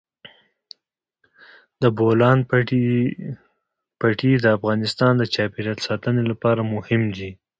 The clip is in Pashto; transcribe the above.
د بولان پټي د افغانستان د چاپیریال ساتنې لپاره مهم دي.